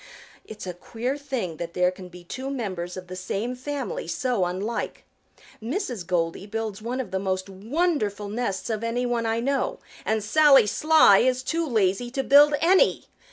It's a queer thing that there can be two members of the same family so unlike. Mrs. Goldy builds one of the most wonderful nests of any one I know, and Sally Sly is too lazy to build any.